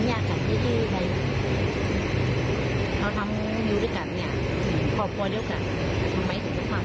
เราทำอยู่ด้วยกันความปลอดภัยเดียวกันทำไมถึงความปลอดภัย